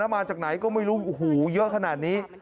มาจากไหนก็ไม่รู้โอ้โหเยอะขนาดนี้